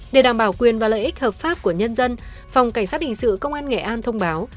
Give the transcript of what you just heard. để đảm bảo quyền và lợi ích hợp pháp của nhân dân phòng cảnh sát hình sự công an nghệ an thông báo